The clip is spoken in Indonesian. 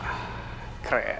nggak kebanyakan bro